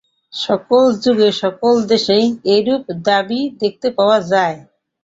সকল যুগে, সকল দেশেই এইরূপ দাবী দেখতে পাওয়া যায়।